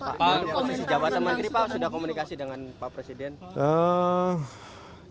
pak posisi jabatan menteri pak sudah komunikasi dengan pak presiden